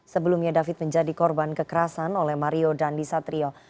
sebelumnya david menjadi korban kekerasan oleh mario dandi satrio